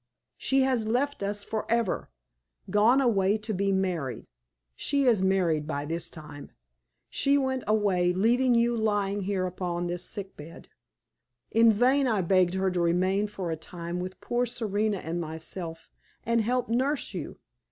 She has left us forever gone away to be married. She is married by this time. She went away, leaving you lying here upon this sick bed. In vain I begged her to remain for a time with poor Serena and myself and help nurse you.